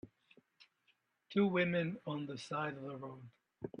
Two women on the side of a road.